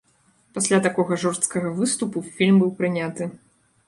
Пасля такога жорсткага выступу фільм быў прыняты.